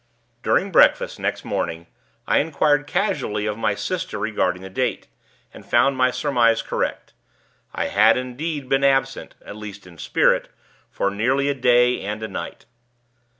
During breakfast, next morning, I inquired casually of my sister regarding the date, and found my surmise correct. I had, indeed, been absent at least in spirit for nearly a day and a night.